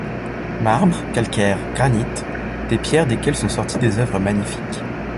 Marbre, calcaire, granite, des pierres desquelles sont sorties des œuvres magnifiques.